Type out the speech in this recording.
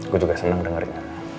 gua juga senang dengarnya